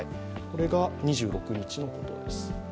これが２６日のことです。